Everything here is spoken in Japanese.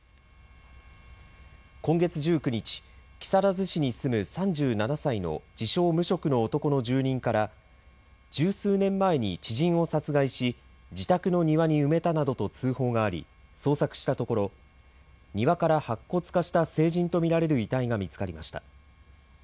今月１９日、木更津市に住む３７歳の自称無職の男の住人から十数年前に知人を殺害し自宅の庭に埋めたなどと通報があり捜索したところ庭から白骨化した成人と見られる遺体が見つかりました。